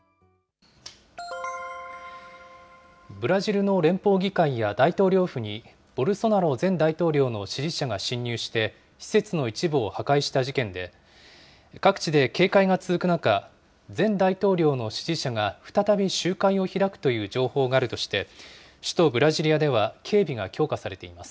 ブラジルの連邦議会や大統領府に、ボルソナロ前大統領の支持者が侵入して、施設の一部を破壊した事件で、各地で警戒が続く中、前大統領の支持者が再び集会を開くという情報があるとして、首都ブラジリアでは警備が強化されています。